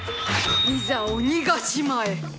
いざ鬼ヶ島へ。